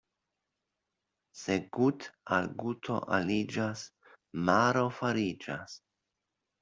Se gut' al guto aliĝas, maro fariĝas.